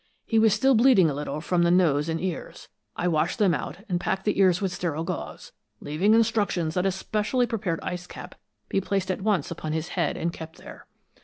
He was still bleeding a little from the nose and ears. I washed them out, and packed the ears with sterile gauze, leaving instructions that a specially prepared ice cap be placed at once upon his head and kept there.